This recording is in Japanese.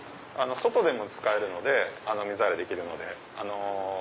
外でも使える水洗いできるので。